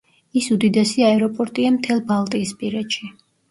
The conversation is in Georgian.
ის უდიდესი აეროპორტია მთელ ბალტიისპირეთში.